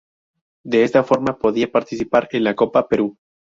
De esta forma, podía participar en la Copa Perú.